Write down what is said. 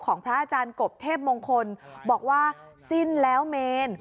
พระอาจารย์กบเทพมงคลบอกว่าสิ้นแล้วเมน